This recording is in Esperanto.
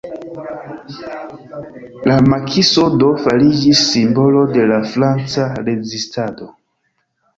La Makiso do, fariĝis simbolo de la Franca rezistado.